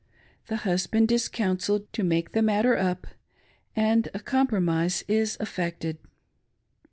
The hus band is counselled to " make the matter up," and a compro mise is effected.